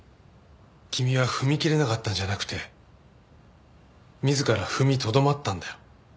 君は踏み切れなかったんじゃなくて自ら踏みとどまったんだよ。